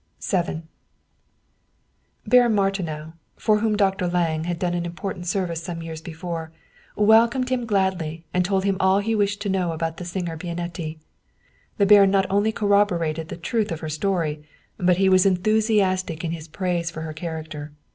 VII BARON MARTINOW, for whom Dr. Lange had done an important service some years before, welcomed him gladly and told him all he wished to know about the singer Bian etti. The baron not only corroborated the truth of her story, but he was enthusiastic in his praise of her charac ter.